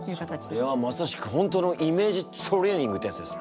それはまさしく本当のイメージトレーニングってやつですな。